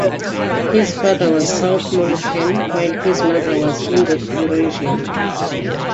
His father was South Moluccan, while his mother was Indo Eurasian.